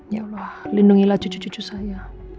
ya allah lindungilah cucu cucu saya